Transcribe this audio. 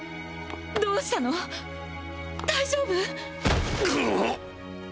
どうしたの大丈夫？